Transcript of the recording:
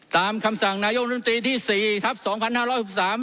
ตามคำสั่งนายกลุ่มธรรมที่สี่ทับสองพันห้าร้อยสิบสาม